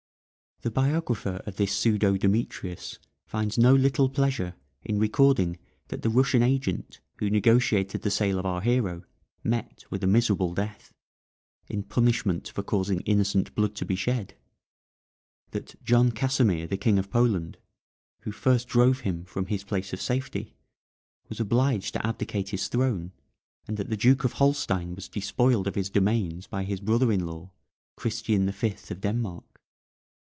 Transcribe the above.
The biographer of this pseudo Demetrius finds no little pleasure in recording that the Russian agent who negotiated the sale of our hero met with a miserable death, "in punishment for causing innocent blood to be shed;" that John Casimir, the King of Poland, who first drove him from his place of safety, was obliged to abdicate his throne, and that the Duke of Holstein was despoiled of his domains by his brother in law, Christian the Fifth of Denmark.